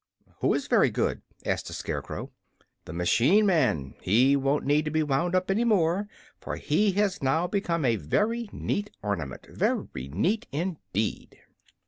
"Who is very good?" asked the Scarecrow. "The machine man. He won't need to be wound up any more, for he has now become a very neat ornament. Very neat, indeed."